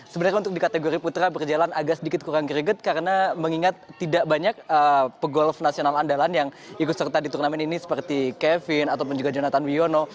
sebenarnya untuk di kategori putra berjalan agak sedikit kurang greget karena mengingat tidak banyak pegolf nasional andalan yang ikut serta di turnamen ini seperti kevin ataupun juga jonathan wiono